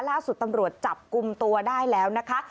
ล่าสุดตำรวจจับกลุ่มตัวได้แล้วนะคะ